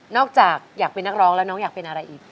จากอยากเป็นนักร้องแล้วน้องอยากเป็นอะไรอีก